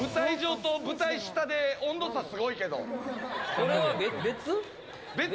これは別？